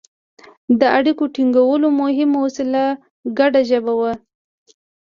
د اړیکو ټینګولو مهمه وسیله ګډه ژبه وه